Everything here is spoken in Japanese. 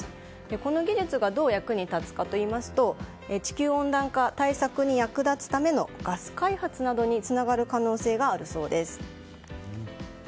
この技術がどう役に立つかといいますと地球温暖化の対策に役立つためのガス開発などにつながる可能性があるそうです。